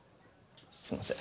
すいません。